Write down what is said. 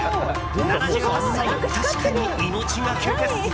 ７８歳、確かに命がけです。